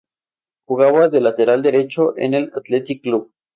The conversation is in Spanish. Jugaba de lateral derecho en el Athletic Club.